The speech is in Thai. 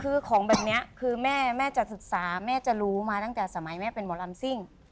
คือของแบบนี้คือแม่แม่จะศึกษาแม่จะรู้มาตั้งแต่สมัยแม่เป็นหมอลำซิ่ง